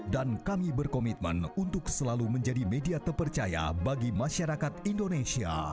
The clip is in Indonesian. dan kami berkomitmen untuk selalu menjadi media terpercaya bagi masyarakat indonesia